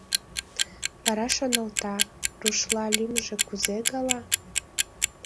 Вара шоналта: «Рушла лӱмжӧ кузе гала?»